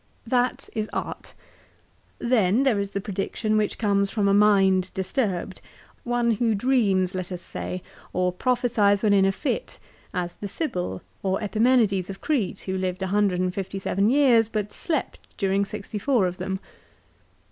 That is Art. Then there is the prediction which comes from a mind disturbed, one who dreams, let us say, or prophesies when in a fit, as the Sybil, or Epiinenides of Crete who lived 157 years but slept during sixty four of them.